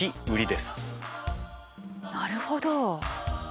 なるほど。